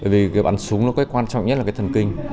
bởi vì bắn súng quan trọng nhất là thần kinh